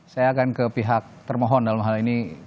saya akan ke pihak termohon dalam hal ini